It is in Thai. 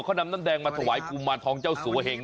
เขานำน้ำแดงมาถวายกุมารทองเจ้าสัวเหง